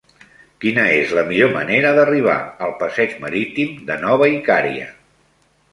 Quina és la millor manera d'arribar al passeig Marítim de Nova Icària?